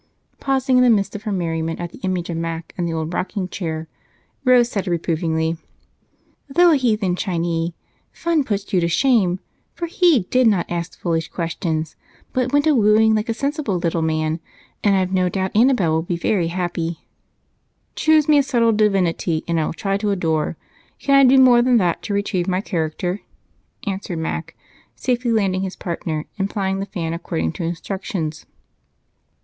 Pausing in the midst of her merriment at the image of Mac and the old rocking chair, Rose said reprovingly, "Though a heathen Chinee, Fun puts you to shame, for he did not ask foolish questions but went a wooing like a sensible little man, and I've no doubt Annabel will be very happy." "Choose me a suitable divinity and I will try to adore. Can I do more than that to retrieve my character?" answered Mac, safely landing his partner and plying the fan according to instructions.